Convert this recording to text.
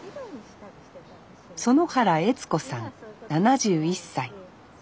園原悦子さん７１歳。